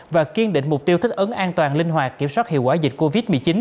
và kiên định mục tiêu thích ứng an toàn linh hoạt kiểm soát hiệu quả dịch covid một mươi chín